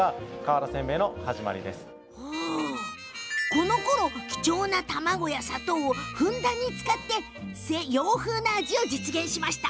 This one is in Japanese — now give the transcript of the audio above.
このころ貴重な卵や砂糖をふんだんに使って洋風な味を実現しました。